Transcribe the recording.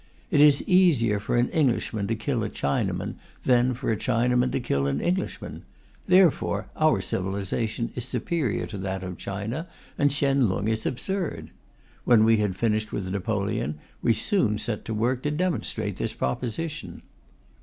It is easier for an Englishman to kill a Chinaman than for a Chinaman to kill an Englishman. Therefore our civilization is superior to that of China, and Chien Lung is absurd. When we had finished with Napoleon, we soon set to work to demonstrate this proposition.